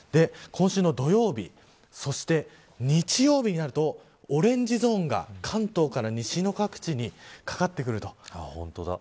今週の土曜日そして日曜日になるとオレンジゾーンが関東から西の各地にかかってくると。